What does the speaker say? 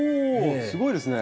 すごいですね。